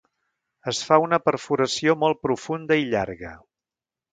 Es fa una perforació molt profunda i llarga.